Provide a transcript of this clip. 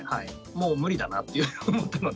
もう無理だなっていうのを思ったので。